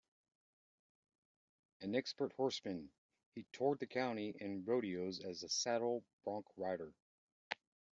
An expert horseman, he toured the country in rodeos as a saddle bronc rider.